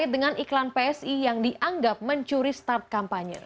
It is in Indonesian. dan iklan psi yang dianggap mencuri start kampanye